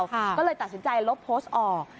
ก็เลยตัดสินใจลบโพสต์ออก